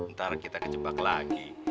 ntar kita kejebak lagi